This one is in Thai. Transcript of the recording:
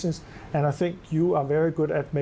ขอบคุณมากหลังมีเวลาที่เราไม่ได้